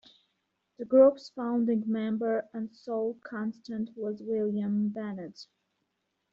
The group's founding member and sole constant was William Bennett.